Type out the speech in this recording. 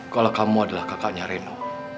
kalau kamu adalah kakaknya reno